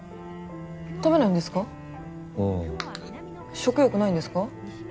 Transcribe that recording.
食欲ないんですか？